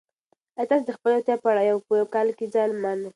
آیا تاسو د خپلې روغتیا په اړه په کال کې یو ځل معاینه کوئ؟